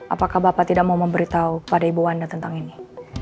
apakah bapak tidak mau memberitahu pada ibu wanda tentang ini